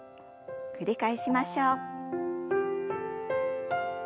繰り返しましょう。